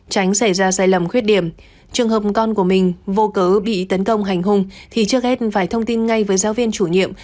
tránh xảy ra sai lầm khuyết điểm trường hợp con của mình vô cớ bị tấn công hành hùng thì trước hết phải thông tin ngay với giáo viên chủ nhiệm